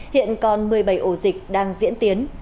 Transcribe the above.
hiện còn một mươi bảy ổ dịch đang diễn tiến